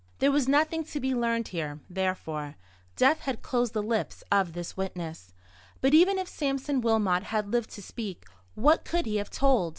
There was nothing to be learned here, therefore. Death had closed the lips of this witness. But even if Sampson Wilmot had lived to speak, what could he have told?